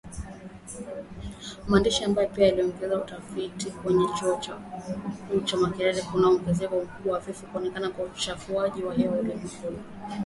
Mhandisi ambaye pia anaongoza utafiti kwenye chuo kikuu cha Makerere, kuna ongezeko kubwa la vifo kutokana na uchafuzi wa hewa ulimwenguni.